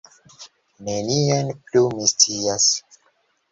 Nenion plu mi scias.